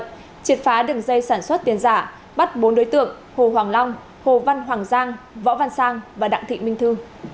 triệt phá đường dây sản xuất tiền giả bắt bốn đối tượng hồ hoàng long hồ văn hoàng giang võ văn sang và đặng thị minh thư